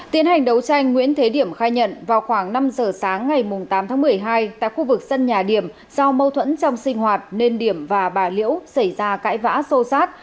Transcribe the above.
tiến hành đấu tranh nguyễn thế điểm khai nhận vào khoảng năm giờ sáng ngày tám tháng một mươi hai tại khu vực sân nhà điểm do mâu thuẫn trong sinh hoạt nên điểm và bà liễu xảy ra cãi vã xô xát